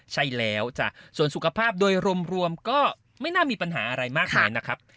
ใช่แล้วจ้ะส่วนสุขภาพโดยรวมก็ไม่น่ามีปัญหาอะไรมากมายนะครับ